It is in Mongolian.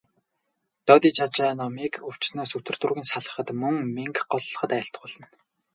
Додижажаа номыг өвчнөөс үтэр түргэн салахад, мөн мэнгэ голлоход айлтгуулна.